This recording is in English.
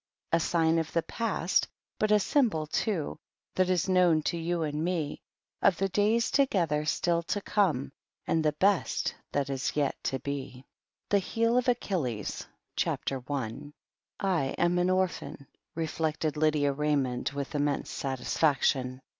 A sign of the past — but a symbol, too, that is known to you and me. Of the days together still to come, and the best that is yet to be," THE HEEL OF ACHILLES '1 AM an orphan/' reflected Lydia Raymond, with immense satisfaction.